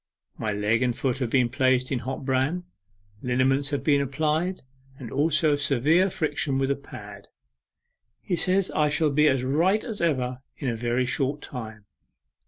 My leg and foot have been placed in hot bran, liniments have been applied, and also severe friction with a pad. He says I shall be as right as ever in a very short time.